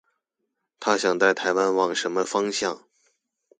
她想帶台灣往什麼方向